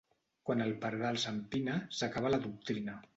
Quan el pardal s'empina s'acaba la doctrina.